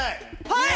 はい！